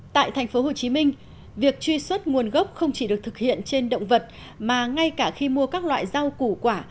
tại thành phố hồ chí minh việc truy xuất nguồn gốc không chỉ được thực hiện trên động vật mà ngay cả khi mua các loại rau củ quả